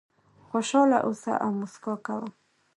خوشاله اوسه او موسکا کوه .